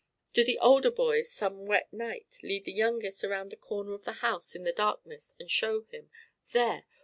Do the older boys some wet night lead the youngest around the corner of the house in the darkness and show him, there!